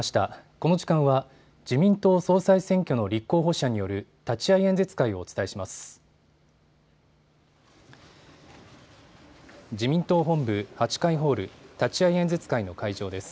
この時間は自民党総裁選挙の立候補者による立会演説会をお伝えします。